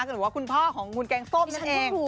หรือว่าคุณพ่อของคุณแกงส้มนั่นเอง